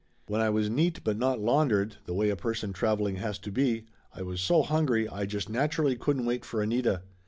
When I was neat but not laundered, the way a per son traveling has to be, I was so hungry I just nat urally couldn't wait for Anita.